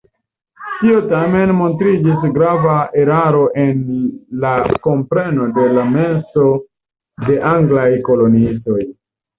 Tio tamen montriĝis grava eraro en la kompreno de la menso de anglaj koloniistoj.